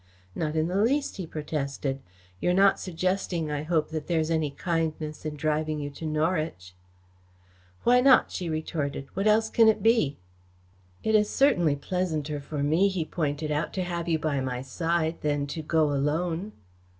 "Not in the least," he protested. "You're not suggesting, I hope, that there is any kindness in driving you to Norwich?" "Why not?" she retorted. "What else can it be?" "It is certainly pleasanter for me," he pointed out, "to have you by my side than to go alone."